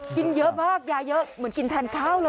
กินเยอะมากยาเยอะเหมือนกินแทนข้าวเลย